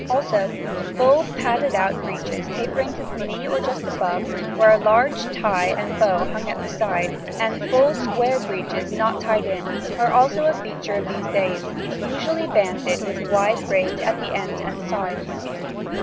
Also full padded out breeches tapering to the knee or just above, where a large tie and bow hung at the side, and full square breeches not tied in, are also a feature of these days, usually banded with wide braids at ends and sides.